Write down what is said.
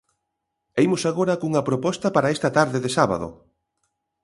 E imos agora cunha proposta para esta tarde de sábado.